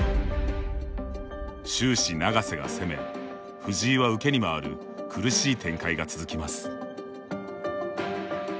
終始、永瀬が攻め藤井は受けに回る苦しい展開が続きます。